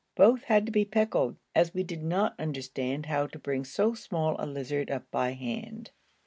Both had to be pickled, as we did not understand how to bring so small a lizard up by hand.